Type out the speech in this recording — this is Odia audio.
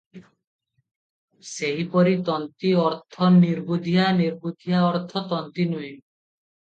ସେହିପରି ତନ୍ତୀ ଅର୍ଥ ନିର୍ବୁଦ୍ଧିଆ, ନିର୍ବୁଦ୍ଧିଆ ଅର୍ଥ ତନ୍ତୀ ନୁହେଁ ।